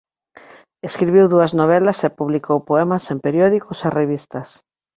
Escribiu dúas novelas e publicou poemas en periódicos e revistas.